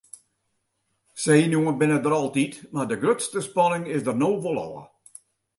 Senuwen binne der altyd mar de grutste spanning is der no wol ôf.